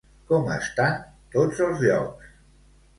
Com estan tots els llocs?